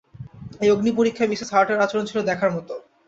এই অগ্নিপরীক্ষায় মিসেস হার্টের আচরণ ছিল - দেখার মতো।